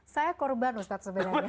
saya korban ustaz sebenarnya